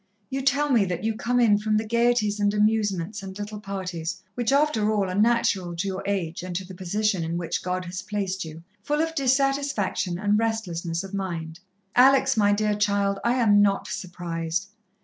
You tell me that you come in from the gaieties and amusements and little parties, which, after all, are natural to your age and to the position in which God has placed you, full of dissatisfaction and restlessness of mind. "Alex, my dear child, I am not surprised.